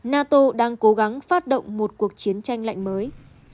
nato đang cố gắng phát động một cuộc chiến tranh lạnh mới